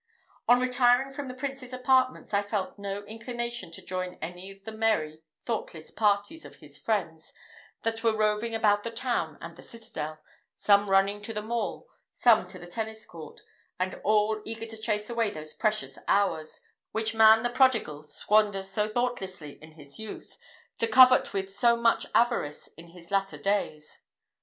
On retiring from the prince's apartments, I felt no inclination to join any of the merry, thoughtless parties of his friends that were roving about the town and the citadel, some running to the mall, some to the tennis court, and all eager to chase away those precious hours, which man the prodigal squanders so thoughtlessly in his youth, to covet with so much avarice in his latter days.